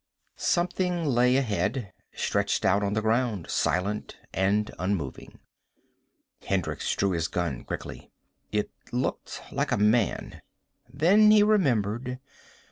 Something lay ahead. Stretched out on the ground. Silent and unmoving. Hendricks drew his gun quickly. It looked like a man. Then he remembered.